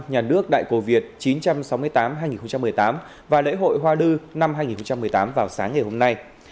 nhà nước đại cổ việt chín trăm sáu mươi tám hai nghìn một mươi tám và lễ hội hoa lư năm hai nghìn một mươi tám vào sáng ngày hôm nay